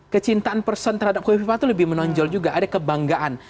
kecintaan person terhadap kofifa itu lebih menonjol juga ada kebanggaan